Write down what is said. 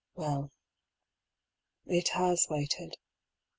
well, it has waited.